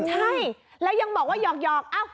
ใช่แล้วยังบอกว่าหยอก